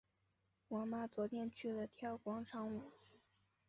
我妈昨天去了跳广场舞。